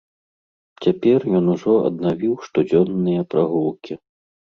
Цяпер ён ужо аднавіў штодзённыя прагулкі.